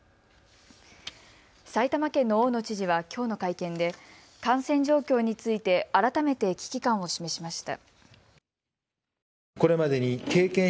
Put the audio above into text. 埼玉県の大野知事はきょうの会見で感染状況について改めて危機感を示しました。